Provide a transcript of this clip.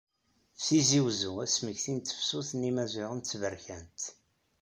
Tizi Uzzu Asmekti s tefsut n yimaziɣen d tberkant.